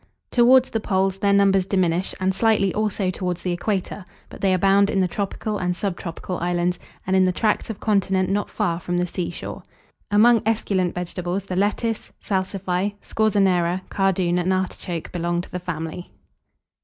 Towards the poles their numbers diminish, and slightly, also, towards the equator; but they abound in the tropical and sub tropical islands, and in the tracts of continent not far from the sea shore. Among esculent vegetables, the Lettuce, Salsify, Scorzonera, Cardoon, and Artichoke belong to the family.